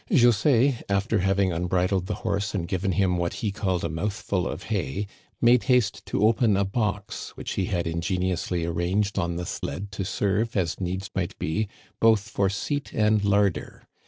José, after having unbridled the horse and given him what he called a mouthful of hay, made haste to open a box which he had ingeniously arranged on the sled to serve, as needs might be, both for seat and larder.